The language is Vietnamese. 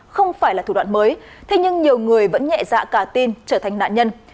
không phải là thủ đoạn mới thế nhưng nhiều người vẫn nhẹ dạ cả tin trở thành nạn nhân